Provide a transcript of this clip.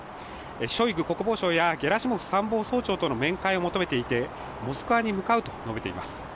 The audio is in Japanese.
ショイグ国防相やゲラシモフ参謀総長との面会を求めていて、モスクワに向かうと述べています。